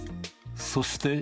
そして。